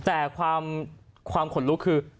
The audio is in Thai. แต่ความขนลุกคือ